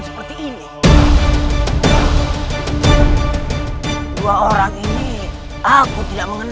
sudah waktu azaan